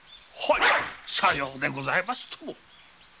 さようでございますとも！